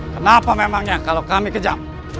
kenapa memangnya kalau kami kejam